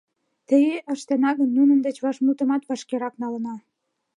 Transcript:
Тыге ыштена гын, нунын деч вашмутымат вашкерак налына.